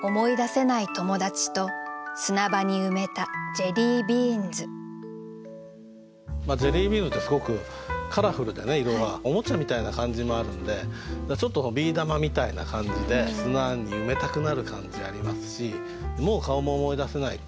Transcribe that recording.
ジェリービーンズってすごくカラフルでね色がおもちゃみたいな感じもあるんでちょっとビー玉みたいな感じで砂に埋めたくなる感じありますし「もう顔も思い出せない」っていうのでね